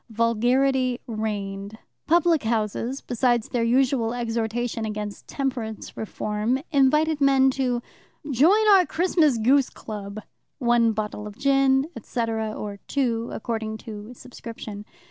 Vulgarity reigned. Public houses, besides their usual exhortation against temperance reform, invited men to "Join our Christmas goose club" one bottle of gin, etc., or two, according to subscription.